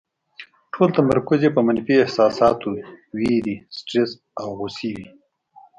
ټول تمرکز یې په منفي احساساتو، وېرې، سټرس او غوسې وي.